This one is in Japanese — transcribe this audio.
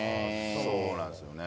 そうなんすよね